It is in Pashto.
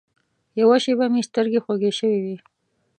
یوه شېبه مې سترګې خوږې شوې وې.